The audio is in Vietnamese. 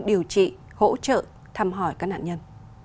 điều trị hỗ trợ thăm hỏi các nạn nhân